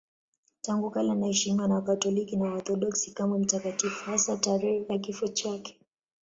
Tangu kale anaheshimiwa na Wakatoliki na Waorthodoksi kama mtakatifu, hasa tarehe ya kifo chake.